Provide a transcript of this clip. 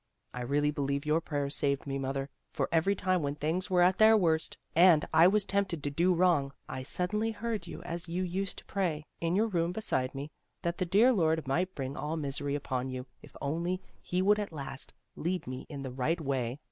I really believe your prayers saved me. Mother, for every time when things were at their worst, and I was tempted to do wrong, I suddenly heard you as you used to pray, in your room beside me, that the dear Lord might bring all misery upon you, if only He would at last lead me in the right way.